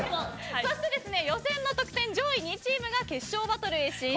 そして予選の得点上位２チームが決勝バトルへ進出。